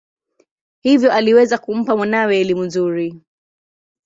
Hivyo aliweza kumpa mwanawe elimu nzuri.